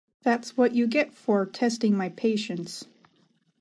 That’s what you get for testing my patience.